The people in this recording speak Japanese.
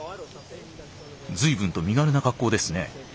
随分と身軽な格好ですね。